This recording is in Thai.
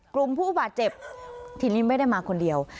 กลุ่มผู้บาดเจ็บทีนี้ไม่ได้มาคนเดียว